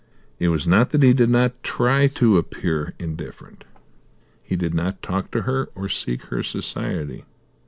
It was not that he did not try to appear indifferent; he did not talk to her, or seek her society.